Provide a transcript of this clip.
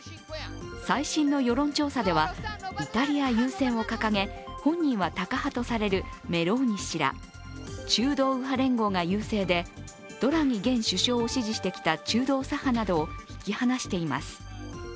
最新の世論調査ではイタリア優先を掲げ本人はタカ派とされるメローニ氏ら中道右派連合が優勢でドラギ現首相を支持してきた中道左派などを引き離しています。